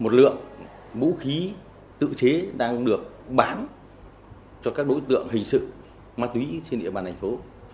mà thấy rằng là một lượng vũ khí tự chế đang được bán cho các đối tượng hình sự ma túy trên địa bàn thành phố